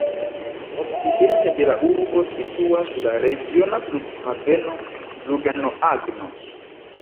Okcidente de la urbo situas la regiona Flughaveno Lugano-Agno.